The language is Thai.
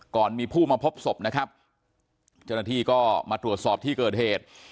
ก่อนมีผู้มาพบศพนะครับเจ้าหน้าที่ก็มาตรวจสอบที่เกิดเหตุ